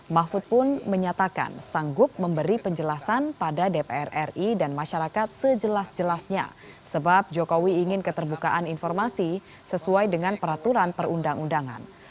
mahfud pun menyatakan sanggup memberi penjelasan pada dpr ri dan masyarakat sejelas jelasnya sebab jokowi ingin keterbukaan informasi sesuai dengan peraturan perundang undangan